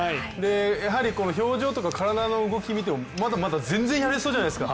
やはり表情とか体の動き見てもまだまだ全然やれそうじゃないですか。